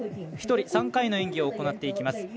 １人３回の演技を行っていきます。